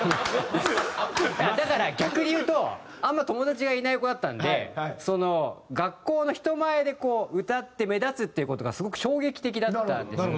だから逆にいうとあんま友達がいない子だったので学校の人前でこう歌って目立つっていう事がすごく衝撃的だったんですよ。